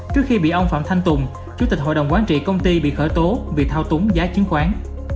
trước khi bị ông phạm thanh tùng chủ tịch hội đồng quán trị công ty bị khởi tố vì thao túng giá chứng khoán